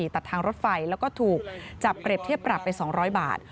ตัดทางรถไฟแล้วก็ถูกจับเปรียบเทียบปรับไป๒๐๐บาท